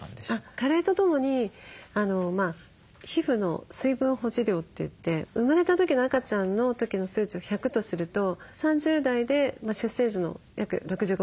加齢とともに皮膚の水分保持量といって生まれた時の赤ちゃんの時の数値を１００とすると３０代で出生時の約６５％。